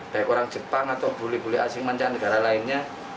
baik orang jepang atau bule bule asing mancanegara lainnya